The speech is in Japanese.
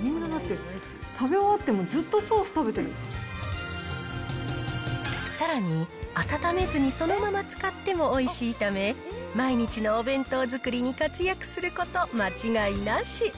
みんなだって、食べ終わってさらに、温めずにそのまま使ってもおいしいため、毎日のお弁当作りに活躍すること間違いなし。